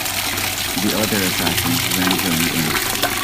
The other assassins then joined in.